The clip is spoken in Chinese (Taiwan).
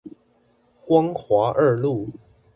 光華二路